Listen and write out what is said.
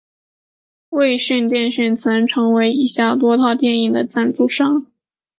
卫讯电讯曾成为以下多套电影的赞助商。